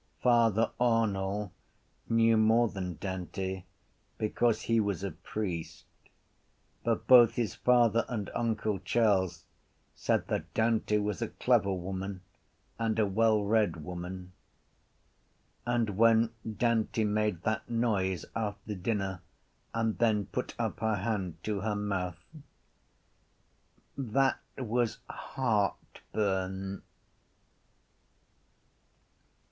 Father Arnall knew more than Dante because he was a priest but both his father and uncle Charles said that Dante was a clever woman and a wellread woman. And when Dante made that noise after dinner and then put up her hand to her mouth: that was heartburn.